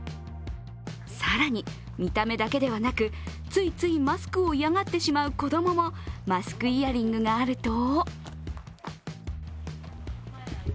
更に、見た目だけではなく、ついついマスクを嫌がってしまう子供もマスクイヤリングがあると？